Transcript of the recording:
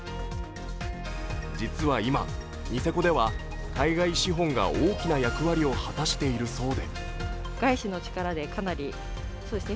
実は今、ニセコでは海外資本が大きな役割を果たしているそうで。